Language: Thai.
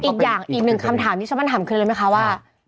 อีกอย่างอีกหนึ่งคำถามที่ชาวบ้านถามคืออะไรไหมคะว่า